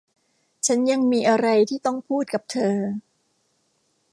ฉันยังมีอะไรที่ต้องพูดกับเธอ